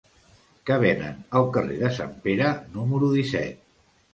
Què venen al carrer de Sant Pere número disset?